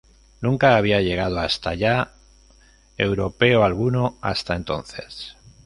Nunca había llegado hasta allá europeo alguno hasta entonces.